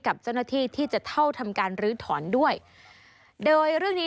กับเจ้าหน้าที่ที่จะเท่าทำการลื้อถอนด้วยโดยเรื่องนี้